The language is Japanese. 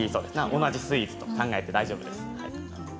同じスイーツと呼んで大丈夫です。